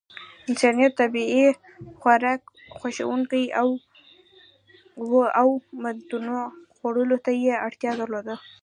انسان طبیعي خوراک خوښونکی و او متنوع خوړو ته یې اړتیا درلوده.